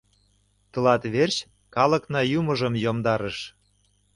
Тылат верч калыкна юмыжым йомдарыш...